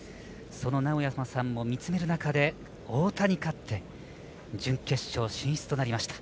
その直也さんも見つめる中で太田に勝って準決勝進出となりました。